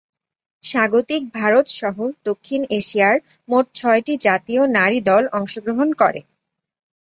স্বাগতিক ভারত সহ দক্ষিণ এশিয়ার মোট ছয়টি জাতীয় নারী দল অংশগ্রহণ করে।